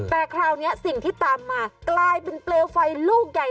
แต่คราวนี้สิ่งที่ตามมากลายเป็นเปลวไฟลูกใหญ่